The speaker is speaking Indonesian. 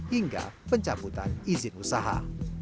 hingga pencaputan izin usaha